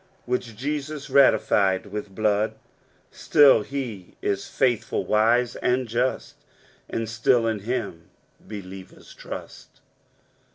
Which Jesus ratified with blood : Still he is faithful, wise, and just. And still in him believers trust."